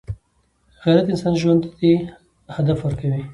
غیرت انسان ژوند ته هدف ورکوي